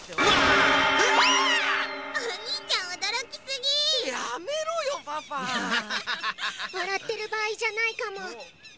わらってるばあいじゃないかも。